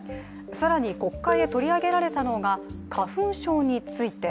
更に、国会で取り上げられたのが花粉症について。